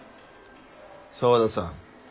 沢田さん